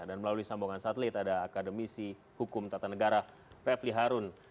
dan melalui sambungan satelit ada akademisi hukum tata negara revli harun